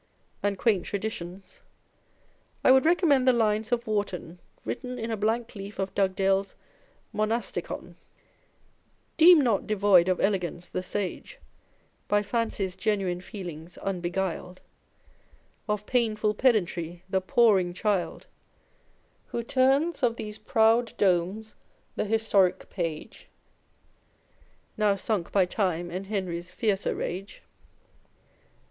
447 and quaint traditions, I would recommend the lines of Warton written in a Blank Leaf of Dugdale's Nonasticon : Deem not devoid of elegance the sage, By fancy's genuine feelings unbeguiled, Of painful pedantry the poring child, Who turns of these proud domes the historic page, Now sunk by time and Henry's fiercer rage.